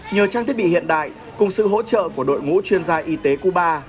nhờ trang thiết bị hiện đại cùng sự hỗ trợ của đội ngũ chuyên gia y tế cuba